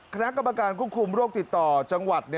คณะกรรมการควบคุมโรคติดต่อจังหวัด